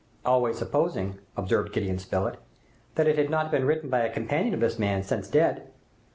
"Always supposing," observed Gideon Spilett, "that it had not been written by a companion of this man, since dead."